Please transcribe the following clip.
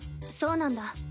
そうなんだ。